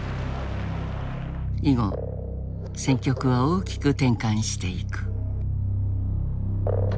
以後戦局は大きく転換していく。